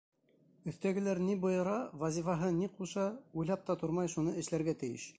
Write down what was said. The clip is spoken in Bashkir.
Өҫтәгеләр ни бойора, вазифаһы ни ҡуша, уйлап та тормай шуны эшләргә тейеш!